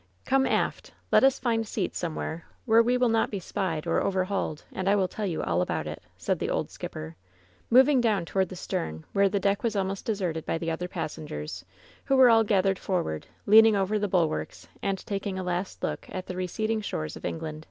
"Come aft! Let us find seats somewhere where we will not be spied or overhauled, and I will tell you all about it," said the old skipper, moving down toward the stem, where the deck was almost deserted by the other passengers, who were all gathered forward, leaning over the bulwarks and taking a last look at the receding shoreB of England.